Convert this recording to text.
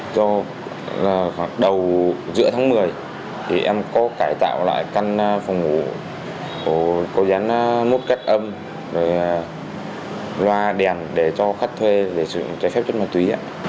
do đầu giữa tháng một mươi thì em có cải tạo lại căn phòng ngủ cố gắng mút cắt âm loa đèn để cho khách thuê để sử dụng trái phép chất mặt túy